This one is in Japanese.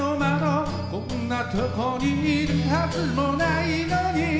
「こんなとこにいるはずもないのに」